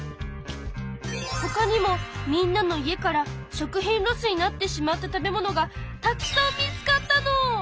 ほかにもみんなの家から食品ロスになってしまった食べ物がたくさん見つかったの！